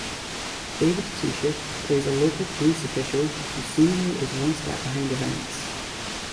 David Suchet plays a local police official who seemingly is one step behind events.